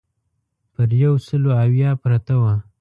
پر یو سل اویا پرته وه.